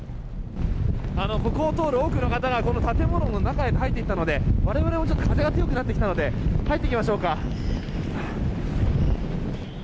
ここを通る多くの方がこの建物の中へと入っていったので我々もちょっと風が強くなて来たので入っていきましょうか。